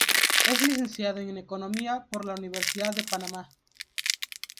Es licenciado en economía por la Universidad de Panamá.